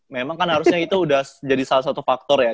memang kan harusnya itu sudah jadi salah satu faktor ya